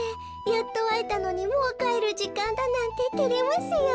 やっとあえたのにもうかえるじかんだなんててれますよ。